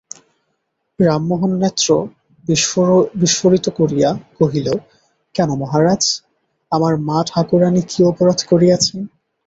রামমোহন নেত্র বিস্ফারিত করিয়া কহিল, কেন মহারাজ, আমার মা-ঠাকুরানী কী অপরাধ করিয়াছেন?